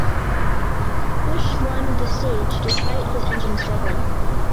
Busch won the stage despite his engine struggling.